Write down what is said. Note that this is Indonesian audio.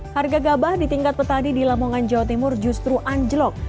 harga gabah di tingkat petani di lamongan jawa timur justru anjlok